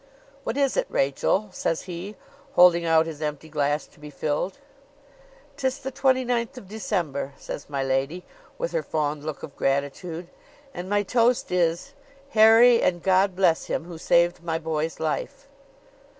"What is it, Rachel?" says he, holding out his empty glass to be filled. "'Tis the 29th of December," says my lady, with her fond look of gratitude: "and my toast is, 'Harry and God bless him, who saved my boy's life!'"